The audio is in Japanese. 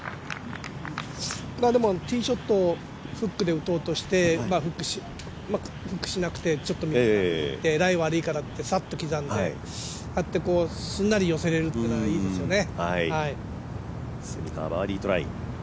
ティーショットをフックで打とうとしてフックしなくてちょっとライが悪いからって、さっと刻んですんなり寄せれるっていうのはいいですよね。